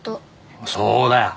そうだよ。